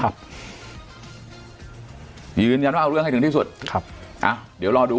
ยืนยันว่าเอาเรื่องให้ถึงที่สุดครับอ่ะเดี๋ยวรอดู